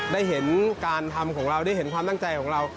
ได้เห็นการทำของเราได้เห็นความตั้งใจของเรา